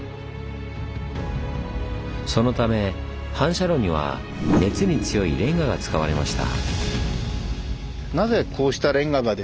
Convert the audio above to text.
そのため反射炉には熱に強いレンガが使われました。